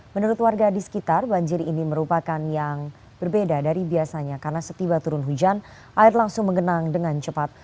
menurut warga di sekitar banjir ini merupakan yang berbeda dari biasanya karena setiba turun hujan air langsung mengenang dengan cepat